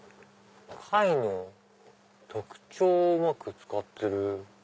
貝の特徴をうまく使ってる。